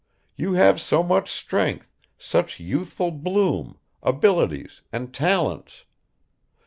You have so much strength, such youthful bloom, abilities and talents!